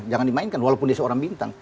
jangan dimainkan walaupun dia seorang bintang